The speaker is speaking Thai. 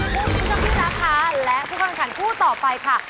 ผู้ชมพี่รักค่ะและผู้ค่อนข้างผู้ต่อไปค่ะ